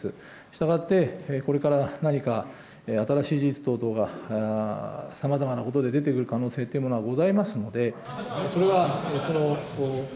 したがって、これから何か新しい事実等々が、さまざまなことで出てくる可能性というものはございますので、それは。